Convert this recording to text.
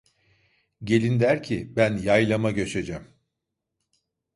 Gelin der ki ben yaylama göçecem.